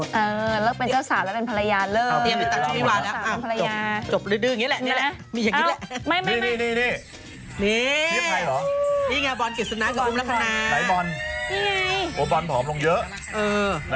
เลิกเป็นเจ้าสาวแล้วเป็นภรรยาเล่อ